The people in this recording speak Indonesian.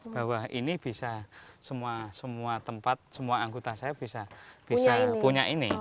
bahwa ini bisa semua tempat semua anggota saya bisa punya ini